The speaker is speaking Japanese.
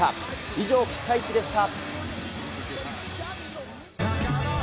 以上、ピカイチでした。